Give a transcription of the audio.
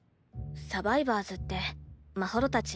「サバイバーズ」ってまほろたち